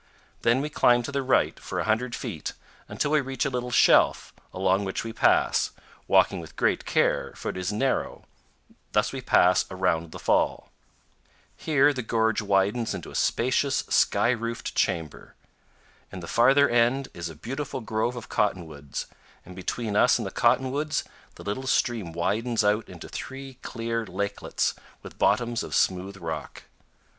Then we climb to the right for a hundred feet until we reach a little shelf, along which we pass, walking with great care, for it is narrow; thus we pass around the fall. Here the gorge widens into a spacious, sky roofed chamber. In the farther end is a beautiful grove of cottonwoods, and between us and the cotton woods the little stream widens out into three clear lakelets with bottoms of smooth rock.